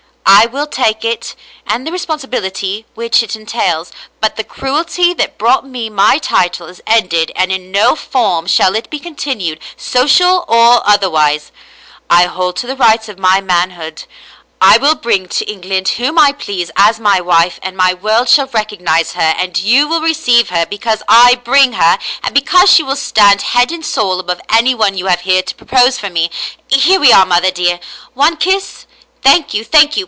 I will take it and the responsibility which it entails; but the cruelty that brought me my title is ended and in no form shall it be continued, social or otherwise. I hold to the rights of my manhood. I will bring to England whom I please as my wife, and my world shall recognize her, and you will receive her because I bring her, and be cause she will stand head and soul above any one you have here to propose for me. Here we are, mother dear. One kiss ? Thank you, thank you.